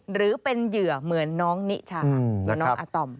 หรือเป็นเหยื่อเหมือนน้องนิชาหรือน้องอาตอม